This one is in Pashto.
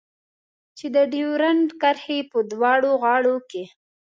چې د ډيورنډ کرښې په دواړو غاړو کې.